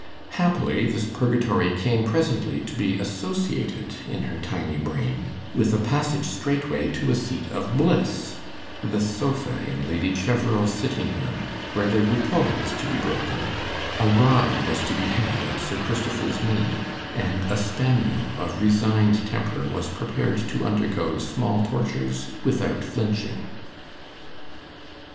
Happily, this purgatory came presently to be associated in her tiny brain with a passage straightway to a seat of bliss the sofa in Lady Cheverel's sitting room, where there were toys to be broken, a ride was to be had on Sir Christopher's knee, and a spaniel of resigned temper was prepared to undergo small tortures without flinching.